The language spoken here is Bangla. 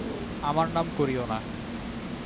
আমার নাম করিয়ো না।